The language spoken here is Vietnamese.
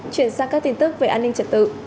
chuyển sang các tin tức về an ninh trật tự